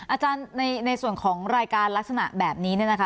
อาจารย์ในส่วนของรายการลักษณะแบบนี้